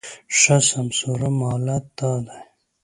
ښه سمسوره مالت دا دی